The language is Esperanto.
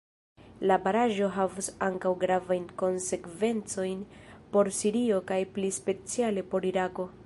La baraĵo havos ankaŭ gravajn konsekvencojn por Sirio kaj pli speciale por Irako.